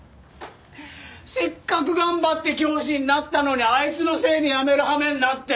せっかく頑張って教師になったのにあいつのせいで辞める羽目になって。